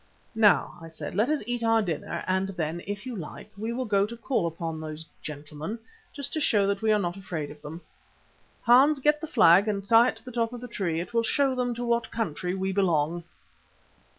"Now," I said, "let us eat our dinner and then, if you like, we will go to call upon those gentlemen, just to show that we are not afraid of them. Hans, get the flag and tie it to the top of that tree; it will show them to what country we belong."